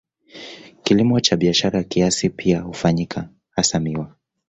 Kilimo cha kibiashara kiasi pia hufanyika, hasa miwa.